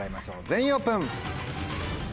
全員オープン！